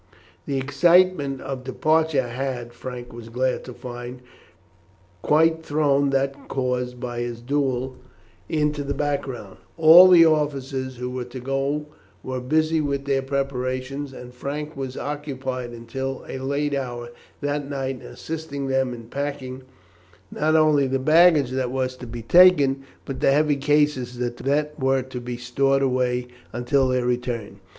The excitement of departure had, Frank was glad to find, quite thrown that caused by his duel into the background. All the officers who were to go were busy with their preparations, and Frank was occupied until a late hour that night in assisting them in packing not only the baggage that was to be taken, but the heavy cases that were to be stored away until their return.